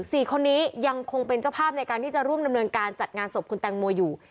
สี่คนนี้ยังคงเป็นเจ้าภาพในการที่จะร่วมดำเนินการจัดงานศพคุณแตงโมอยู่